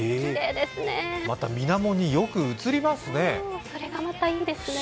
また水面によく映りますね。